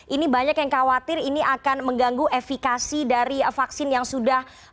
ini banyak yang khawatir ini akan mengganggu efikasi dari vaksin yang sudah